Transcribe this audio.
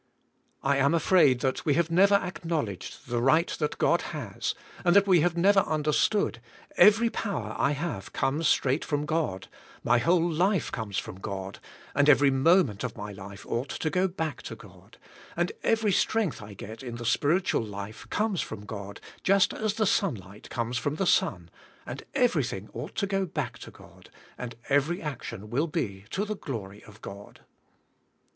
I am afraid we have never acknowledg ed the rig ht that God has, and that we have never understood, every power I have comes straight from God, my whole life comes from God, and every moment of my life ought to go back to God, and every strength I get in the spirit ual life comes from God, just as the sunlight comes from the sun, and everything ought to go back to God, and every action will be to the glory of God.